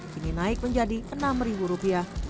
kini naik menjadi enam rupiah